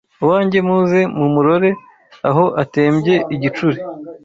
Uwanjye muze mumurore aho atembye igicuri